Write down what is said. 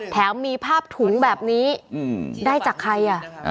แถมมีภาพถุงแบบนี้ได้จากใครอ่ะ